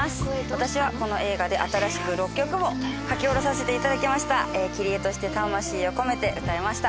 私はこの映画で新しく６曲も書き下ろさせていただきましたキリエとして魂を込めて歌いました